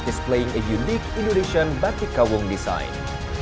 displaying a unique indonesian batik kawung design